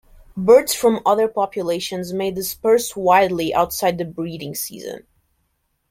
Birds from other populations may disperse widely outside the breeding season.